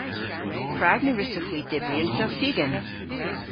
Prag na wrussowgh hwi dybri an selsigen?